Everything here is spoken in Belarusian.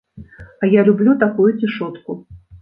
А я люблю такую цішотку.